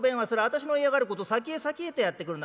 私の嫌がること先へ先へとやってくるんだ。